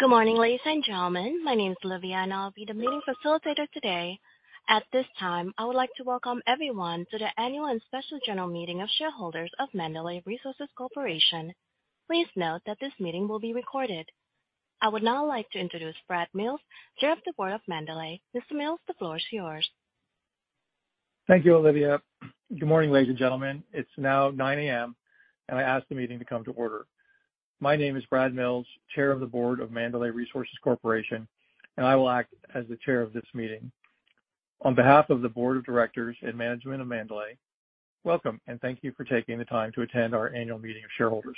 Good morning, ladies and gentlemen. My name is Olivia, and I'll be the meeting facilitator today. At this time, I would like to welcome everyone to the annual and special general meeting of shareholders of Mandalay Resources Corporation. Please note that this meeting will be recorded. I would now like to introduce Brad Mills, Chair of the Board of Mandalay. Mr. Mills, the floor is yours. Thank you, Olivia. Good morning, ladies and gentlemen. It's now 9:00 A.M. I ask the meeting to come to order. My name is Brad Mills, Chair of the Board of Mandalay Resources Corporation. I will act as the Chair of this meeting. On behalf of the board of directors and management of Mandalay, welcome and thank you for taking the time to attend our annual meeting of shareholders.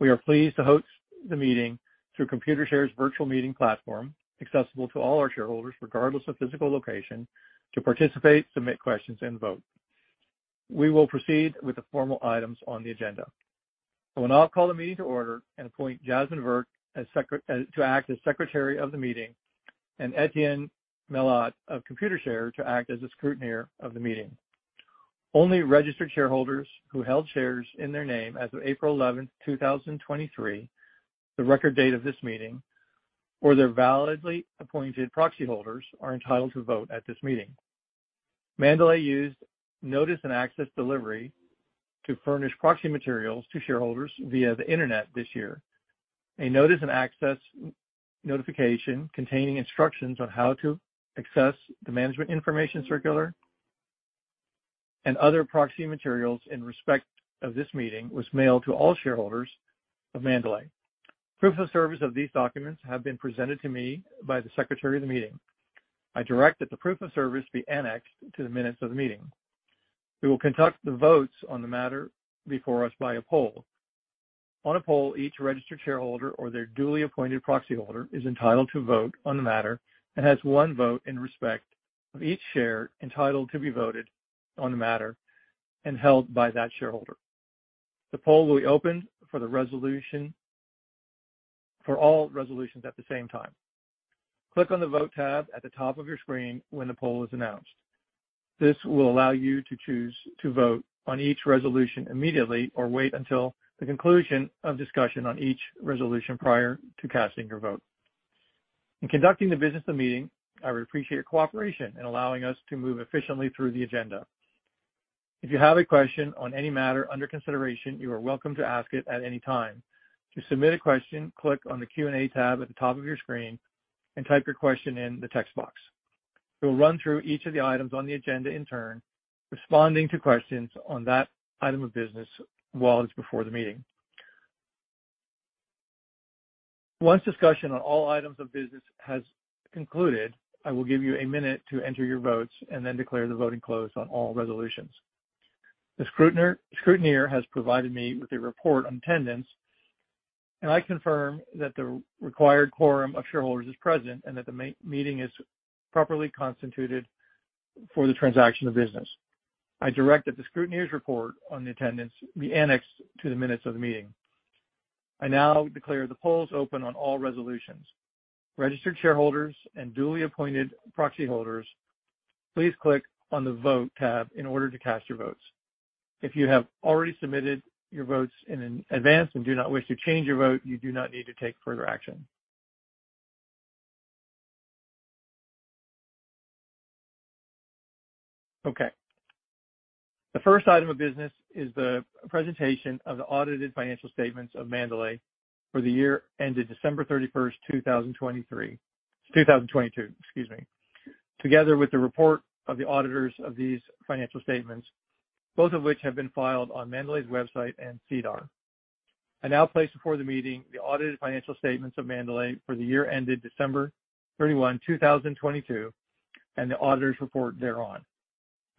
We are pleased to host the meeting through Computershare's virtual meeting platform, accessible to all our shareholders, regardless of physical location, to participate, submit questions, and vote. We will proceed with the formal items on the agenda. I will now call the meeting to order and appoint Jasmine Virk to act as Secretary of the Meeting, and Etienne Melott of Computershare to act as the Scrutineer of the Meeting. Only registered shareholders who held shares in their name as of April 11th, 2023, the record date of this meeting, or their validly appointed proxy holders are entitled to vote at this meeting. Mandalay used notice and access delivery to furnish proxy materials to shareholders via the internet this year. A notice and access notification containing instructions on how to access the management information circular and other proxy materials in respect of this meeting was mailed to all shareholders of Mandalay. Proof of service of these documents have been presented to me by the secretary of the meeting. I direct that the proof of service be annexed to the minutes of the meeting. We will conduct the votes on the matter before us by a poll. On a poll, each registered shareholder or their duly appointed proxy holder is entitled to vote on the matter and has one vote in respect of each share entitled to be voted on the matter and held by that shareholder. The poll will be open for all resolutions at the same time. Click on the vote tab at the top of your screen when the poll is announced. This will allow you to choose to vote on each resolution immediately or wait until the conclusion of discussion on each resolution prior to casting your vote. In conducting the business of the meeting, I would appreciate cooperation in allowing us to move efficiently through the agenda. If you have a question on any matter under consideration, you are welcome to ask it at any time. To submit a question, click on the Q and A tab at the top of your screen and type your question in the text box. We will run through each of the items on the agenda in turn, responding to questions on that item of business while it's before the meeting. Once discussion on all items of business has concluded, I will give you a minute to enter your votes and then declare the voting closed on all resolutions. The scrutineer has provided me with a report on attendance, and I confirm that the required quorum of shareholders is present and that the meeting is properly constituted for the transaction of business. I direct that the scrutineer's report on the attendance be annexed to the minutes of the meeting. I now declare the polls open on all resolutions. Registered shareholders and duly appointed proxy holders, please click on the vote tab in order to cast your votes. If you have already submitted your votes in advance and do not wish to change your vote, you do not need to take further action. Okay. The first item of business is the presentation of the audited financial statements of Mandalay for the year ended December 31st, 2022, together with the report of the auditors of these financial statements, both of which have been filed on Mandalay's website and SEDAR. I now place before the meeting the audited financial statements of Mandalay for the year ended December 31, 2022, and the auditors report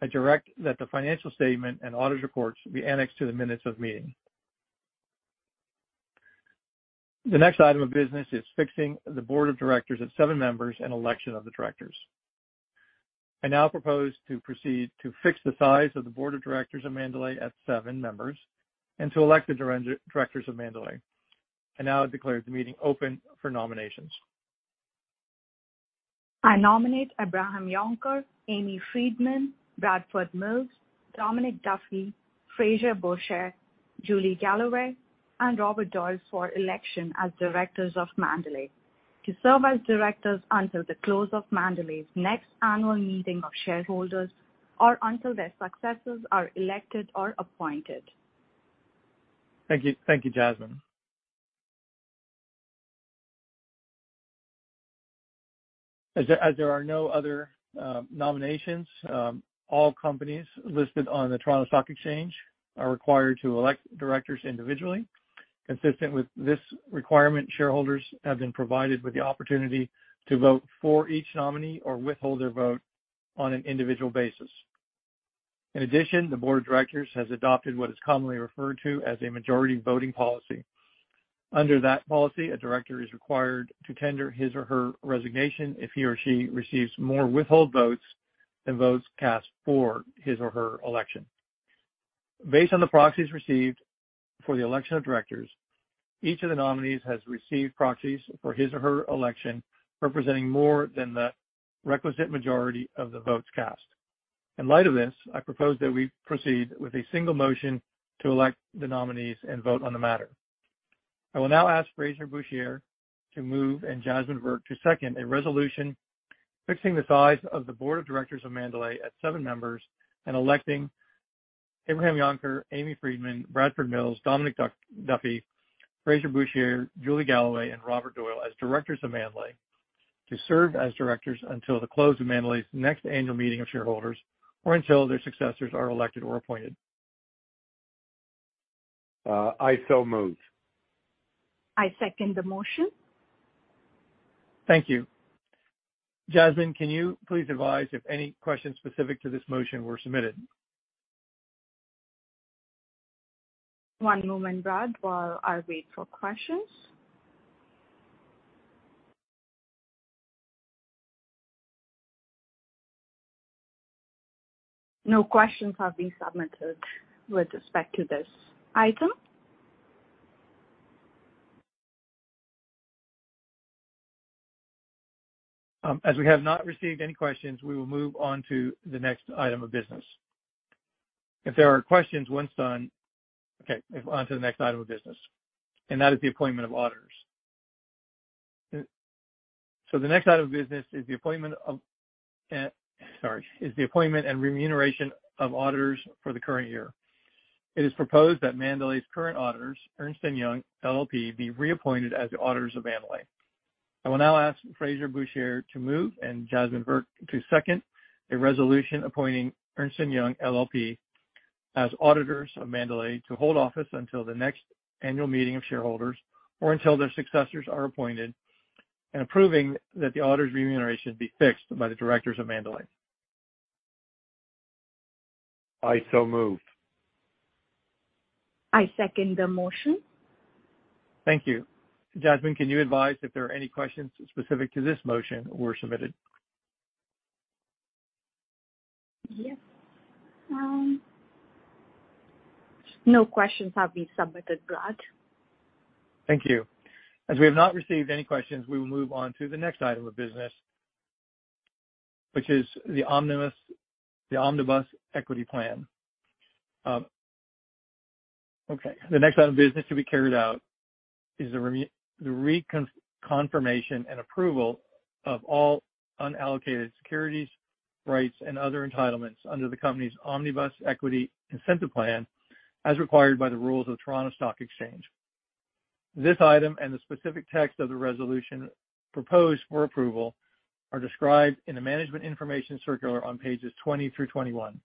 thereon. I direct that the financial statement and audit reports be annexed to the minutes of meeting. The next item of business is fixing the board of directors of seven members and election of the directors. I now propose to proceed to fix the size of the board of directors of Mandalay at seven members and to elect the directors of Mandalay. I now declare the meeting open for nominations. I nominate Abraham Jonker, Amy Freedman, Brad Mills, Dominic Duffy, Frazer Bourchier, Julie Galloway, and Robert Doyle for election as directors of Mandalay to serve as directors until the close of Mandalay's next annual meeting of shareholders or until their successors are elected or appointed. Thank you, Jasmine. As there are no other nominations, all companies listed on the Toronto Stock Exchange are required to elect directors individually. Consistent with this requirement, shareholders have been provided with the opportunity to vote for each nominee or withhold their vote on an individual basis. In addition, the board of directors has adopted what is commonly referred to as a majority voting policy. Under that policy, a director is required to tender his or her resignation if he or she receives more withhold votes than votes cast for his or her election. Based on the proxies received for the election of directors, each of the nominees has received proxies for his or her election representing more than the requisite majority of the votes cast. In light of this, I propose that we proceed with a single motion to elect the nominees and vote on the matter. I will now ask Frazer Bourchier to move and Jasmine Virk to second a resolution fixing the size of the board of directors of Mandalay at seven members and electing Abraham Jonker, Amy Freedman, Brad Mills, Dominic Duffy, Frazer Bourchier, Julie Galloway, and Robert Doyle as directors of Mandalay to serve as directors until the close of Mandalay's next annual meeting of shareholders, or until their successors are elected or appointed. I so move. I second the motion. Thank you. Jasmine, can you please advise if any questions specific to this motion were submitted? One moment, Brad, while I wait for questions. No questions have been submitted with respect to this item. As we have not received any questions, we will move on to the next item of business. On to the next item of business, and that is the appointment of auditors. The next item of business is the appointment and remuneration of auditors for the current year. It is proposed that Mandalay's current auditors, Ernst & Young LLP, be reappointed as the auditors of Mandalay. I will now ask Frazer Bourchier to move and Jasmine Virk to second a resolution appointing Ernst & Young LLP as auditors of Mandalay to hold office until the next annual meeting of shareholders, or until their successors are appointed, and approving that the auditors' remuneration be fixed by the directors of Mandalay. I so move. I second the motion. Thank you. Jasmine, can you advise if there are any questions specific to this motion were submitted? Yes. No questions have been submitted, Brad. Thank you. As we have not received any questions, we will move on to the next item of business, which is the Omnibus Equity Plan. Okay. The next item of business to be carried out is the reconfirmation and approval of all unallocated securities, rights, and other entitlements under the company's Omnibus Equity Incentive Plan, as required by the rules of the Toronto Stock Exchange. This item and the specific text of the resolution proposed for approval are described in the management information circular on pages 20 through 21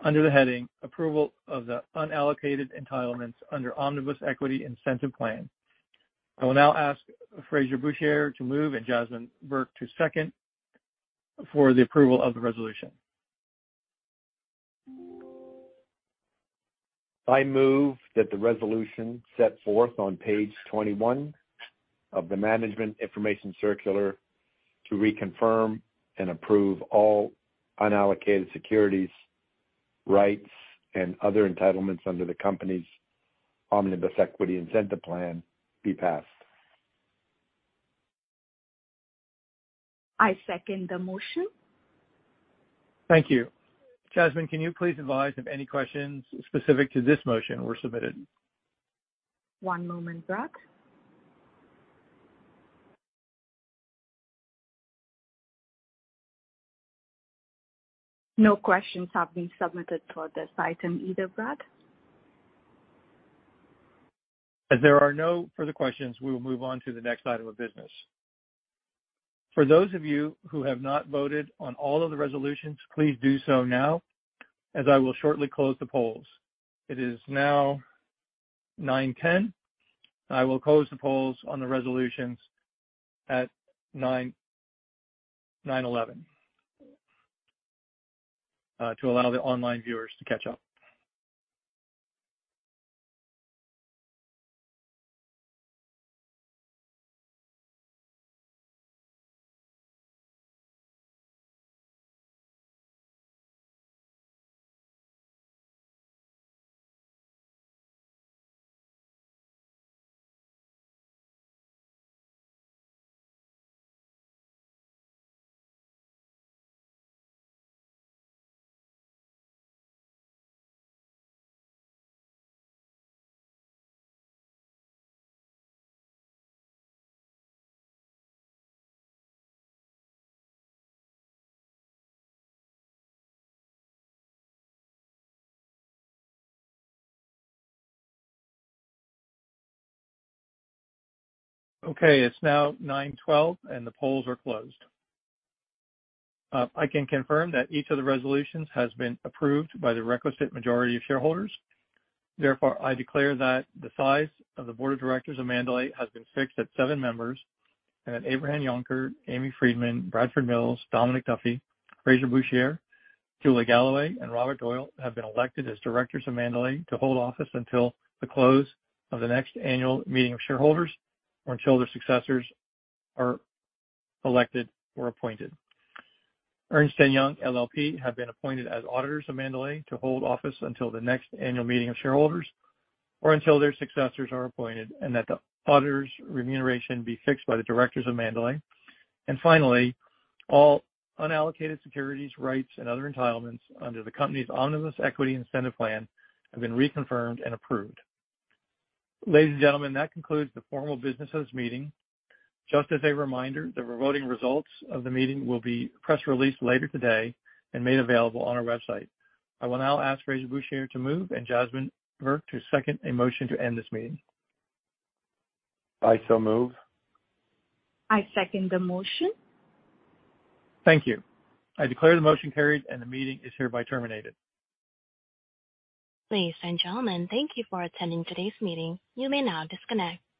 under the heading "Approval of the Unallocated Entitlements under Omnibus Equity Incentive Plan." I will now ask Frazer Bourchier to move and Jasmine Virk to second for the approval of the resolution. I move that the resolution set forth on page 21 of the management information circular to reconfirm and approve all unallocated securities, rights, and other entitlements under the company's Omnibus Equity Incentive Plan be passed. I second the motion. Thank you. Jasmine, can you please advise if any questions specific to this motion were submitted? One moment, Brad. No questions have been submitted for this item either, Brad. As there are no further questions, we will move on to the next item of business. For those of you who have not voted on all of the resolutions, please do so now, as I will shortly close the polls. It is now 9:10 A.M. I will close the polls on the resolutions at 9:11 A.M. to allow the online viewers to catch up. Okay, it's now 9:12 A.M., and the polls are closed. I can confirm that each of the resolutions has been approved by the requisite majority of shareholders. Therefore, I declare that the size of the board of directors of Mandalay has been fixed at seven members, and that Abraham Jonker, Amy Freedman, Brad Mills, Dominic Duffy, Frazer Bourchier, Julie Galloway, and Robert Doyle have been elected as directors of Mandalay to hold office until the close of the next annual meeting of shareholders or until their successors are elected or appointed. Ernst & Young LLP have been appointed as auditors of Mandalay to hold office until the next annual meeting of shareholders or until their successors are appointed, and that the auditors' remuneration be fixed by the directors of Mandalay. Finally, all unallocated securities, rights, and other entitlements under the company's Omnibus Equity Incentive Plan have been reconfirmed and approved. Ladies and gentlemen, that concludes the formal business of this meeting. Just as a reminder, the voting results of the meeting will be press released later today and made available on our website. I will now ask Frazer Bourchier to move and Jasmine Virk to second a motion to end this meeting. I so move. I second the motion. Thank you. I declare the motion carried, and the meeting is hereby terminated. Ladies and gentlemen, thank you for attending today's meeting. You may now disconnect.